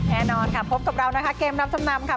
แน่นอนค่ะพบกับเรานะคะเกมรับจำนำค่ะ